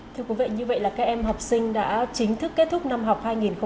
thưa quý vị như vậy là các em học sinh đã chính thức kết thúc năm học hai nghìn hai mươi hai nghìn hai mươi